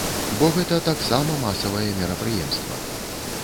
Бо гэта таксама масавае мерапрыемства!